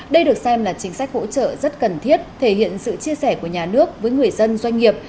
đây được xem là chính sách hỗ trợ rất cần thiết thể hiện sự chia sẻ của nhà nước với người dân doanh nghiệp